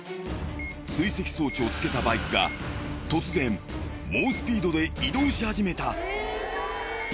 追跡装置をつけたバイクが突然猛スピードで移動し始めた。